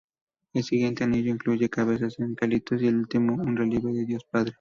El siguiente anillo incluye cabezas de angelitos y el último un relieve de Dios-Padre.